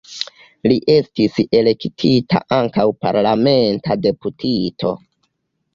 Li estis elektita ankaŭ parlamenta deputito.